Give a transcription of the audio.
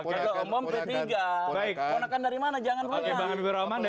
ponakan dari mana jangan pindah